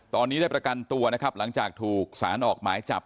ตอนนี้ได้ประกันตัวนะครับหลังจากถูกสารออกหมายจับ